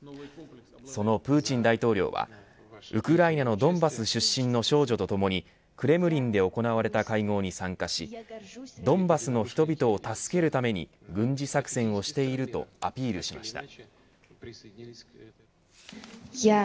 そのプーチン大統領はウクライナのドンバス出身の少女とともにクレムリンで行われた会合に参加しドンバスの人々を助けるために軍事作戦をしているとアピールしました。